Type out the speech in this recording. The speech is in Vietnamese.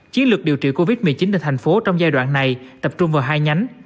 chiến lược điều trị covid một mươi chín tại thành phố trong giai đoạn này tập trung vào hai nhánh